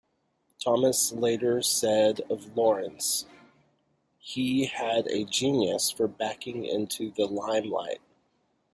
Thomas later said of Lawrence, He had a genius for backing into the limelight.